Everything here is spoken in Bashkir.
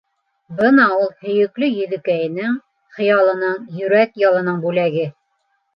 Бына ул, һөйөклө Йөҙөкәйенең — хыялының, йөрәк ялының бүләге!